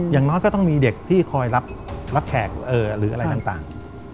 อย่างน้อยก็ต้องมีเด็กที่คอยรับแขกหรืออะไรต่าง